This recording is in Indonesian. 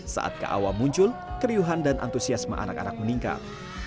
saat kawam muncul keriuhan dan antusiasme anak anak meningkat